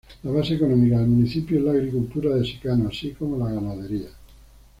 La base económica del municipio es la agricultura de secano, así como la ganadería.